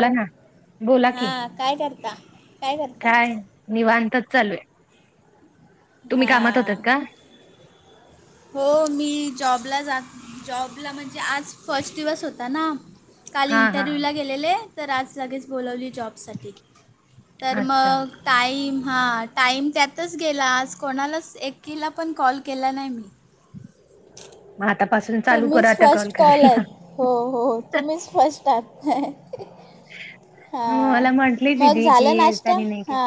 बला ना बोला कि हां काय करता करता काय? निवांतच चालू आहे तुम्ही कामात होतात का? आवाज नाही येत. हो मी जॉबला जॉबला म्हणजे आज फर्स्ट दिवस होता ना. काल हा हा इंटरव्ह्यू ला गेलेले तर आज सगळेच. बोोलवली जॉबसाठी तर अच्छा मग टाईम हा टाईम त्यातच गेला आज कोणालाच एकीला पण कॉल केला नाही मी मग आतापसून चालू कररा तुम्हीच आता कॉल फर्स्ट करायला आहेत हो हो तुम्हीच फस् आात हा मला म्हंटली मग दिदी की झालं नाश्ता त्यांनी नाही के हा.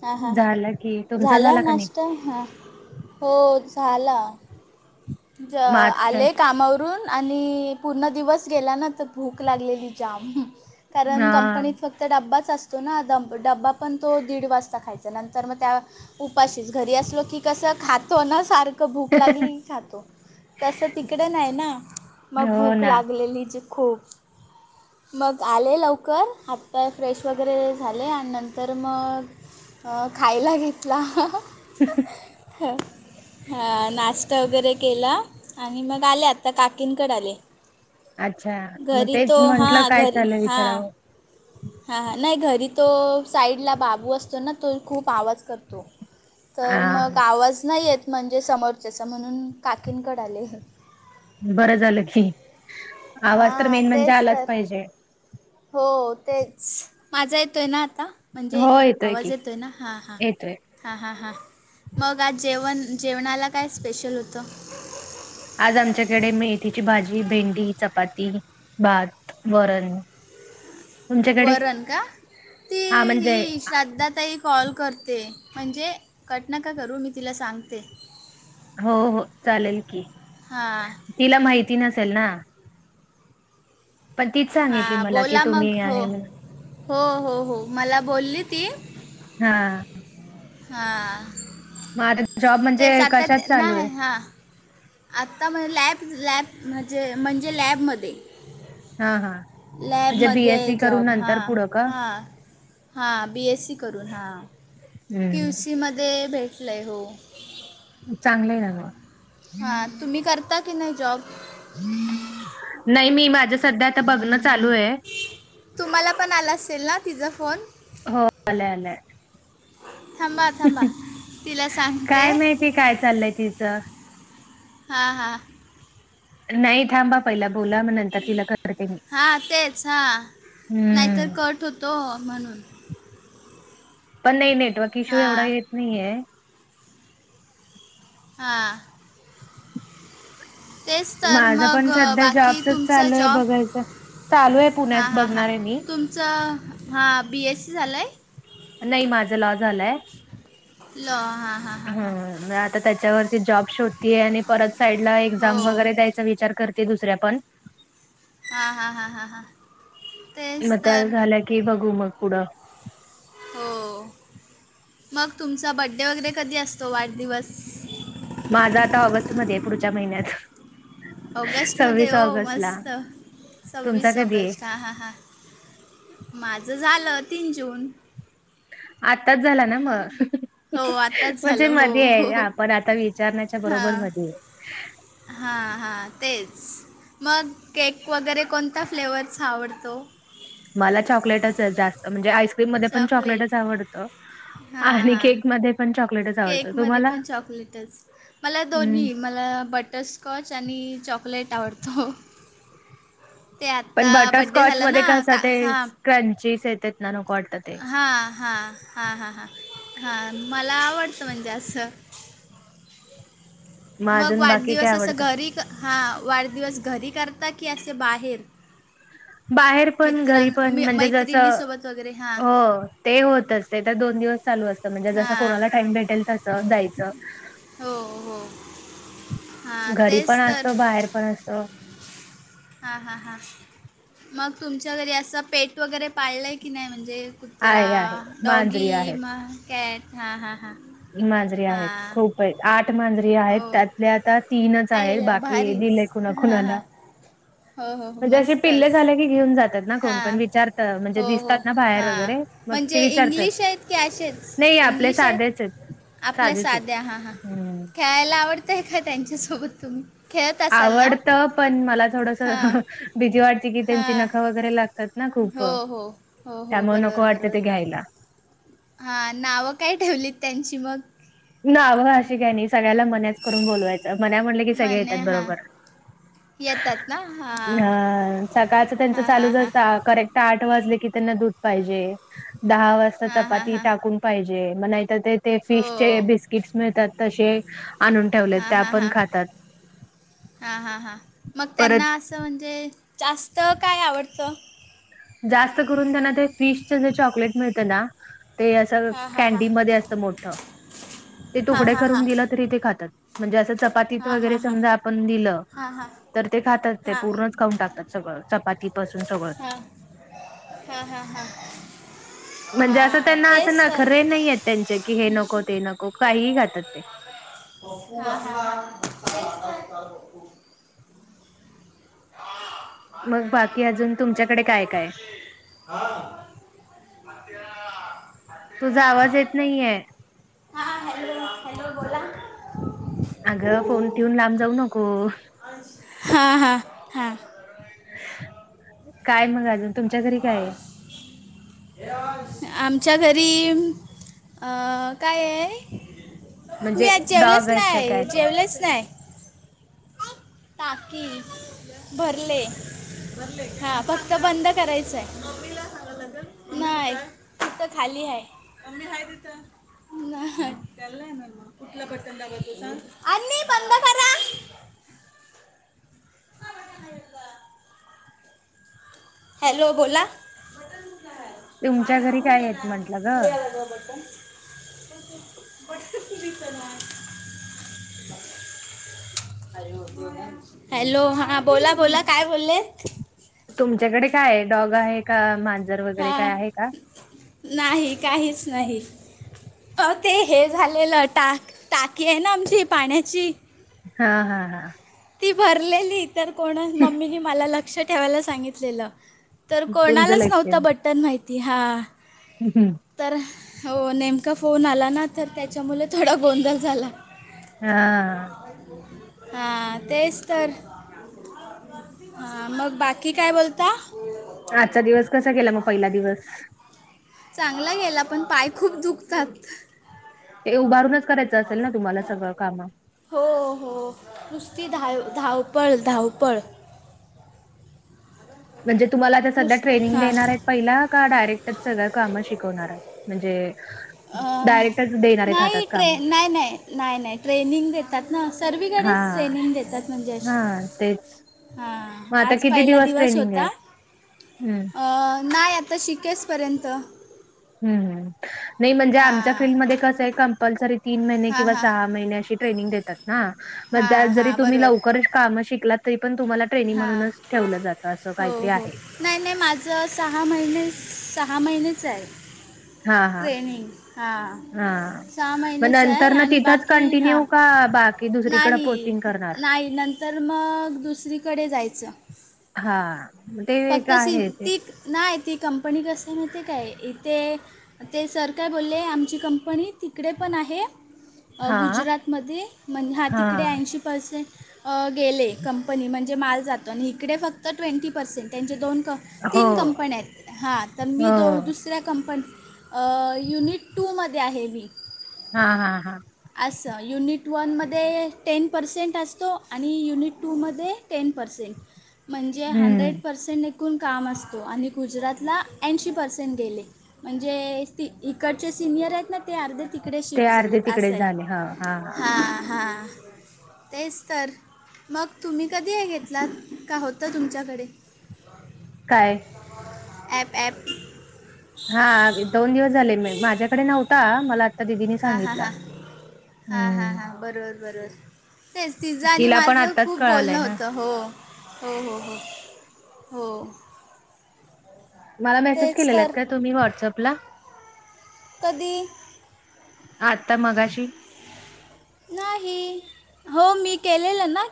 हां हां हां झालं की तुमचा झाला का नाही नाश्ता हां हो झाला. ज मग आज काय आले कामावरून आणि पूर्ण दिवस गेला ना तर भूक लागलेली जाम कारण हा कंपनीत फक्त तर डब्बाच असतो ना डब डब्बा पण तो दीड वाजता खायचा नंतर मग त्या उपाशीस घरी असलो की कसं खातो ना सारखं भूक लागली की खातो. तसं तिकडं नाही ना मग हो भूक ना लागलेली जी खूप मग आले लवकर आत्ता फ्रेश वगैरे झाले आणि नंतर मग अ खायला घेतला. हा नाश्ता वगैरे केलं आणि मग आले आत्ता काकींकड आले. अच्छा मग घरी तेच तो हा म्हंटलं काय घरी चालू हा. विचारावं हां हां नाही घरी तो साईडला बाबू असतो ना तो खूप आवाज करतो. हा तर मग आवाज नाही येत म्हणजे समोरच्याचा म्हणून काकीनकड आले. बरं झालं की आवाज तर हां मेन म्हणजे तेच आलाच तर पाहिजे. हो तेच माझा येतो आहे ना आता. म्हणजे हो आवाज की येतोय ना हां हां. येतोय हां हां हां मंग आंज जेवणं जेवणांलां कायं स्पेशलं होतं. आंज आमच्यांकडे मेथीची भांजी भेंडी चपांती भात वरणं. वरणं का ती हा म्हणजे ही श्राद्धांत आतांही कॉल करतें म्हणजे कंटनकां करूं मी तिलां सांगते. हो हो चालेल की हां तिला माहिती नसेल नां. हा सांगितली मला की बोलां मंग तुम्ही हो आहे म्हणून हो हो हो मलां बोलली ती हा. हां मग आता जॉब म्हणजे तेच आता कशात चालू आहे? नाहीं हां. आत्ता म्हणजे लॅब लॅब म्हणजे म्हणजे लॅबमंध्ये हा हा म्हणजे लॅबमंध्यें आहे बीएससी करून जॉब नंतर हां पुढं का? हां. हां बी एसं सी करूंन हां की यू हम्म सीमंध्ये भेटलं आहे हो चागलं आहे ना मग हां तुम्हीं करतां की नाहीं जॉब नाहीं मी माझं संध्या आतां बघणं चालूं आहे. तुम्हांला पणं आलां असेल नां तिचां फोन हो आलाय आलाय. थांबा थांबा तिला सांगते कायं माहिती कायं चाललंय तिचं हां हां. नाहीं थांबा. पहिला बोला मंग नंतर तिलां कट करतें मी हा हम्मं तो म्हणूंन. पणं नाहीं नेटवर्क इश्यू हा एवढां येतं नाही आहे. हा. तेचं तरं माझं मंग पण सध्या बाकी जॉबचच तुमचं चालू आहे जॉब. बघायचं. चालू आहे पुण्यात हा हा हा बघणार आहे मी. तुमचं हा बीएससी झालंय. नाहीं माझ लॉ झालायं. लाॅ. हंम आतां त्यांच्यावरती आंतां जॉब शोध शोदती आहे आणि परत साईडला हो एक्झाम वगैरें द्यायचा विचार करतें दुसऱ्या पण हा हा हा हा मग हातेचं त्या तरं. झाल्या की बघू मग पुढं. हो मंग तुमचा बड्डे वगैरें कधी असतों वाढदिवसं. माझा आतां ऑगस्टमध्ये आहे पुढच्यां महिन्यांत ऑगस्ट मध्यें हो ला मस्तं तुमचा सव्वीस कधी आहे? ऑगस्ट हां हां हां माझं झालं तीनं जून आत्ताच झालां ना मंग हो आत्ताच म्हणजे झालं हो मध्यें हो आहे हो. आपणं आतां विचारण्यांच्यां बरोबर हां मध्यें आहे. हां हां तेचं मंग केक वगैरें कोणत्यां फ्लेवरचां आवडतो. मलां चॉकलेटचं जास्तं म्हणजे आईस्क्रीम मध्यें पणं चॉकलेट चॉकलेटचं आवडतो. आणि केक मध्यें पणं चॉकलेटच आवडतं केकमध्यें तुम्हाला पणं चॉकलेटचं मलां हम्म. दोन्हीं मलां बटरस्कॉंचं आणि चॉकलेटं आवडंतो. ते पण आतां बड्डे बटरस्कॉच झालं मध्ये नां कसं का ते हां क्रंचीस येतांत ना नको वाटत ते. हां हां हां हां हां हां मलां आवडतं म्हणजे असं मग मंग अजून बाकी काय वाढदिवसं असं आवडतं घरी क हां वाढदिवसं घरी करतां की असे बाहेर बाहेर पणं मित्रां घरी पणं मी म्हणजे जसं मैत्रिणीसोबत वगैरे हां हो ते होतंच ते तरं दोन दिवस चालूं असतं म्हणजे जसं हां कोणालां टांईम भेटेल तसं जायचं हो हो हां घरी तेच पणं असत तर बाहेर पणं असंत हां हां हां मग तुमच्या घरी असं पेट वगैरे पाळलंय की नाही म्हणजे कुत्रा आहे आहे डॉगी मांजरी आहेत म कॅट हां हां हां मांजरीे आहेत हां खूप आहेत आठ मांजरी जे आहेत हो त्यातले आता तीनच आहेत आईला बाकी भारीच दिले कुणा हां कुणाला हां हो हो हो म्हणजे असे मस्तच पिल्ले झाले घेऊन जातात ना कोण पण हां विचारत म्हणजे हो हो दिसतात ना बाहेर हां वगैरे मग ते म्हणजे विचारतात इंग्लिश आहेत की नाही असेच आपले इंग्लिश साधेच आहेत आपल्या साधेच आहेत साध्या हां हां हम्म खेळायला आवडतंय का त्यांच्यासोबत तुम्ही? खेळत असाल ना आवडत पण मला थोडस हां भिती वाटते की त्यांची हां नख वगैरे लागतात ना खूप हो हो हो हो त्यामुळे नको वाटत ते घ्यायला हा नावं काय ठेवलीत त्यांची मग नाव अशी काही नाही सगळ्याला मनाच करून बोलवायचं मना म्हटले की सगळे म्हणे येतात हां बरोबर येतात ना ह हां सकाळच त्यांच हां हां चालूच हां असत करेक्ट आठ वाजले की त्यांना दूध पाहिजे दहा वाजता हां हां चपाती हां टाकून पाहिजे मग नाहीतर ते हो फिश ज बिस्किटस मिळतात तसे आणून ठेवलेत हां त्या हां पण हां खातात हां हां हां मग परत त्यांना असं म्हणजे जास्त काय आवडतं जास्त करून त्यांना ते फिशच जे चॉकलेट मिळत ना ते हां हां हां कँन्डी मधे असत मोठ हां तुकडे हां हां करून दि तरी ते खातात म्हणजे अस चपातीत हां वगरे हां हां हां समजा आपण दि हां तर ते खात हां पूर्ण खाऊन टाकतात सगळं चपातीपसून सगळं हा हा हा हा म्हणजे असं त्यांना असं नखरे नाही आहेत त्यांचे की हे नको ते नको काहीही खातात ते [inaudible] [unintelligible] मग बाकी अजून तुमच्याकडे काय काय हा [unintelligible] तुझा आवाज येत नाहीे हां हॅलो हॅलो बोला अगं फोन ठेऊून लांब जाऊ नको हा हा हा काय मग अजून तुमच्या घरी काय आहे आमच्या घरी अ काय आहे मी म्हणजे आज जेवलेच डॉग आहेत का नाही काय काय? जेवलंच नाही टाकि भरले हां फक्त बंद करायचं आहे नाही तिथं खाली आहे तिथ त्याला आहेणार म कुठला पचन लावतो सांग आणि पंग खरा [unintelligible] हा म नाही का [unintelligible] हॅलो बोला तुमच्या पाय घरी काय अन आहेत ना म्हंटलं ग? पुढला गबटून [unintelligible] वट्सअपत [unintelligible] हॅलो हा बोला बोला काय बोललेत तुमच्याकडे काय आहे डॉग आहे का मांजर वगैरे हा काय आहे का नाही काहीच नाही अह ते हे झालेलं टाक टाकी आहे ना आमची पाण्याची हा हा हा. ती भरलेली तर कोणच मम्मीनी मला लक्ष ठेवायला सांगितलेलं तर तुमचं कोणालाच नव्हतं बटन माहिती हा. ह हम. तर हो नेमका फोन आला ना तर त्याच्यामुळे थोडा गोंधळ झाला. हा. हा. तेच तर मग बाकी काय बोलता. आजचा दिवस कसा केला मग पहिला दिवस. चांगला गेला पण पाय खूप दुखतात. ते उभारूनच करायचं असेल ना तुम्हाला सगळं कामं? हो हो नुसती धाव धावपळ धावपळ म्हणजे तुम्हाला ते सध्या नुस ट्रेनिंग हां देणार आहेत. पहिला का डायरेक्टर सग काम शवणार म्हणजे अं, डायरेक्टर. नाही ट्रे नाही नाही नाही नाही ट्रेनिंग देतात ना सर्वीकडेच हां, ट्रेनिंग देतात. म्हणजे अशी हां तेच. हा मग आता आज पहिला दिवस होता. हम्म. नाही आता शिकेचपर्यंत ह् नाही म्हणजे आमच्या हां फीलल्डमध्येध्ये कस आहे कंपल्सरी तीन महिने हां किंवा हां सहा महिने अशी ट्रेनिंग देतात ना मग हां हां जरि तुम्ही बरोबर लवकर काम शिकलात तरीपण तुम्हाला? ट्रेनी हां म्हणूनच ठेवलं जातं असं हो काहीतरी हो आहे. नाही नाही माझं सहा महिने सहा महिनेच आहे. हां, हां. ट्रेनिंग हां हां. सहा मग महिनेच आहे नंतर ना आणि तिथंच बाकी हा. कंटिन्यू का बाकी दुसरीकडे नाही पोस्टिंग करणार? नाही नंतर मग दुसरीकडे जायचं. हा ते फक्त का सिं आहे ते ती नाही ती कंपनी कसं आहे माहीते काय इथे ते सर काय बोलले आमची कंपनी ति तिकडे पण आहे हा गुजरातमध्ये म्हण हा तिकडे ऐंशी पर्सेंट गेले कंपनी म्हणजे माल जातो आणि इकडे फक्त ट्वेंटी पर्सेंट त्यांचे दोन क हो तीन कंपन्या आहेत हा तर मी हो दो दुसऱ्या कंपनी युनिट टू मध्ये आहे मी हा हा हा. असं युनिट वनमध्ये टेन पर्सेंट असतो आणि युनिट टूमध्ये टेन पर्सेंट म्हणजे हंड्रेड हम्म पर्सेंट एकूण काम असतो आणि गुजरातला ऐंशी पर्सेंट गेले. म्हणजे इकडचे सिनियर आहेत ना ते अर्धे तिकडे ते शिफ्ट झालेत. अर्धे तिकडे झाले हा हा हा. तेच तर मग तुम्ही कधी हे घेतला का होत तुमच्याकडे ह. काय? App app. हा दोन दिवस झाले माझ्याकडे नव्हता मला आता दिदीनी हां हां सांगितलं. हां हां हां हां बरोबर बरोबर तेच तिझं आणि तिला पण माझं आत्ताच खूप कळालंय बोलणं ना होतं हो. हो हो हो हो. मला मेसेज तेच केलेला आहेत तर का तुम्ही व्हॉट्सअपला कधी आता मगाशी नाही हो मी केलेलं ना.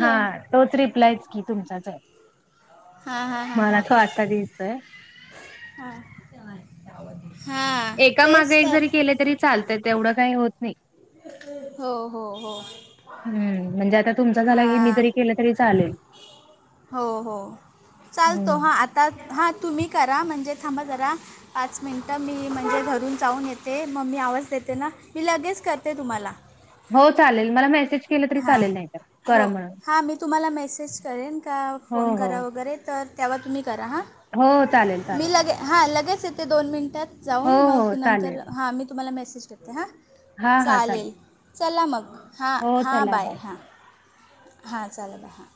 हा तोच रिप्लायच की तुमचाच आहे. मला तो आता दिसतोय. हा नाहीवा एका मागे एक जरी केले तरी चालतय तेवढं काही होत नाही हो हो हो हम्म म्हणजे आता तुमचा झाला की हां मी जरी केलं तरी चालेल हो हो चालतो हं. हा आता हा तुम्ही करा म्हणजे थांबा जरा पाच मिनिट मी म्हणजे घरून जाऊन येते मम्मी आवाज देते ना मी लगेच करते ते तुम्हाला हो चालेल मला मेसेज केलं तरी हां चालेल नाहीतर. हो करा म्हणून. हां मी तुम्हाला मेसेज करेन का हो, फोन हो. करा वगैरे तर तेव्हा तुम्ही करा हां हो, चालेल, मी चालेल. लगे हां लगेच येत ते दोन मिनटात हो, जाऊन हो, मग नंतर चालेल. हां मी तुम्हाला मेसेज करते हां हां, हां, चालेल चला मग हा हो, हां चला बाय हां हां चालेल हा